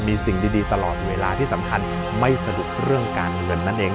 มีสิ่งดีตลอดเวลาที่สำคัญไม่สะดวกเรื่องการเงินนั่นเอง